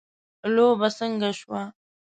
لوبه څنګه شوه .